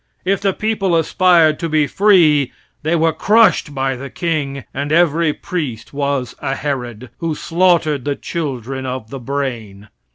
If the people aspired to be free, they were crushed by the king, and every priest was a Herod, who slaughtered the children of the brain.